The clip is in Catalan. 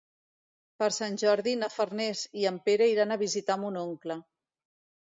Per Sant Jordi na Farners i en Pere iran a visitar mon oncle.